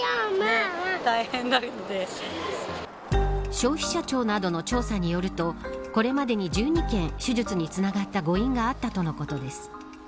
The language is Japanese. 消費者庁などの調査によるとこれまでに１２件手術につながった誤飲があったとのことです。